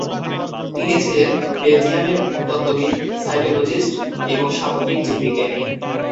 তিনি ছিলেন বেলজিয়ামের ভ্রূণতত্ত্ববিদ, সাইটোলজিস্ট এবং সামুদ্রিক জীববিজ্ঞানী।